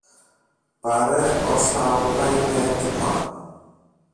πάρε όσα όπλα είναι έτοιμα